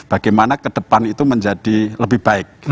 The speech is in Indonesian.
bagaimana ke depan itu menjadi lebih baik